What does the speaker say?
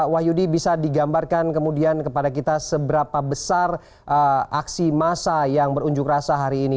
wahyudi bisa digambarkan kemudian kepada kita seberapa besar aksi massa yang berunjuk rasa hari ini